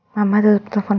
mama tutup telepon